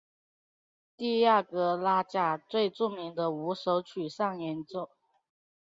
蒂亚格拉贾最著名的五首曲上演奏。